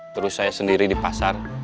terus saya sendiri di pasar